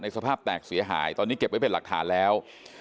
สภาพแตกเสียหายตอนนี้เก็บไว้เป็นหลักฐานแล้ว